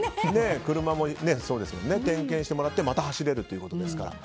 車も点検してもらってまた走れるということですから。